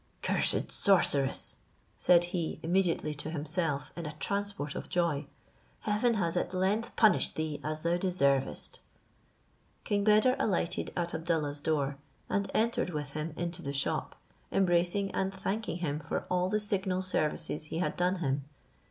"Cursed sorceress!" said he immediately to himself in a transport of joy, "heaven has at length punished thee as thou deservest." King Beder alighted at Abdallah's door and entered with him into the shop, embracing and thanking him for all the signal services he had done him.